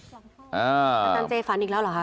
อาจารย์เจฝันอีกแล้วเหรอคะ